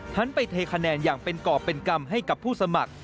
หันไปเทคะแนนอย่างเป็นกรอบเป็นกรรมให้กับผู้สมัคร